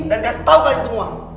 dan gas tau kalian semua